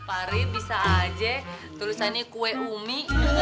pari bisa aja tulisannya kue umi